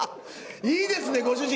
いいですねご主人